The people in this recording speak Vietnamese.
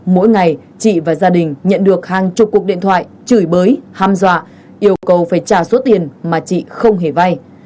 mỗi ngày chị và gia đình nhận được hàng chục cuộc điện thoại chửi bới ham dọa yêu cầu phải trả số tiền mà chị không hề vay